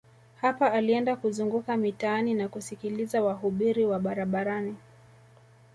Hapa alienda kuzunguka mitaani na kusikiliza wahubiri wa barabarani